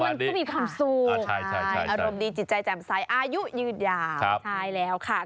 มันก็มีความสุขอารมณ์ดีจิตใจแจ่มใสอายุยืนยาวใช่แล้วค่ะ